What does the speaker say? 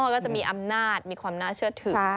ก็จะมีอำนาจมีความน่าเชื่อถือ